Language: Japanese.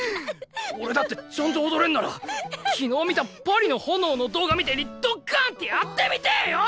俺だってちゃんと踊れんなら昨日見た「パリの炎」の動画みてぇにドッカンってやってみてぇよ！